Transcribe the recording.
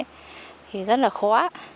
thì rất là khó